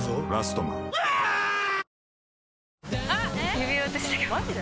指輪落としたかもまじで？